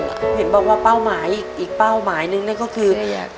เห็นบอกว่าเป้าหมายอีกอีกเป้าหมายหนึ่งนั่นก็คือแต่อยาก